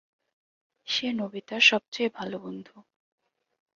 সে নোবিতার সবচেয়ে ভালো বন্ধু।